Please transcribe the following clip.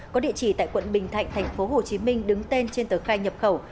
có địa chỉ tại quận bình thạnh tp hcm đứng tên trên tờ khai nhập khẩu